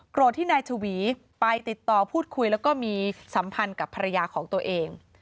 ที่นายชวีไปติดต่อพูดคุยแล้วก็มีสัมพันธ์กับภรรยาของตัวเอง